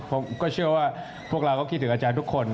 ผมก็เชื่อว่าพวกเราก็คิดถึงอาจารย์ทุกคน